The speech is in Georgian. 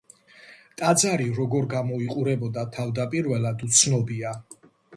ტაძარი როგორ გამოიყურებოდა თავდაპირველად უცნობია.